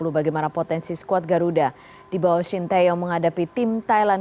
bagaimana potensi squad garuda di bawah shinteyo menghadapi tim thailand